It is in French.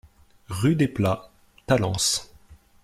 Rue Desplats, Talence